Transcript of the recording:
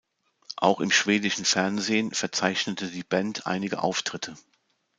Auch im schwedischen Fernsehen verzeichnete die Band einige Auftritte.